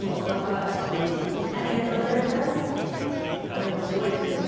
でもすごいですよね。